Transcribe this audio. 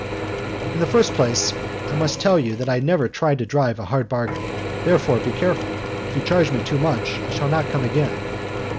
"In the first place, I must tell you that I never try to drive a hard bargain, therefore be careful. If you charge me too much, I shall not come again.